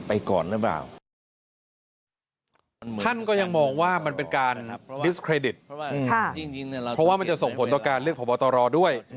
เพราะว่ามันจะส่งผลต่อการเลือกผอบตรอด้วย